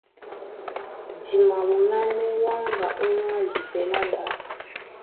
Di maɓolánɛ́ wáŋga ónyólá jipɛ lá ɗá.